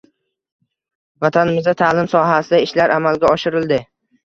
Vatanimizda taʼlim sohasida ishlar amalga oshirildi